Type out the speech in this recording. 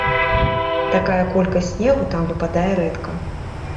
Такая колькасць снегу там выпадае рэдка.